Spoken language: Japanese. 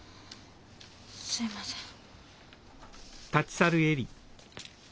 すいません。